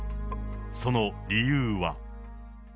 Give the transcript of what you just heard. その理由は。